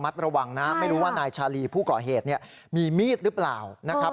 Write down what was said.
ระวังนะไม่รู้ว่านายชาลีผู้ก่อเหตุเนี่ยมีมีดหรือเปล่านะครับ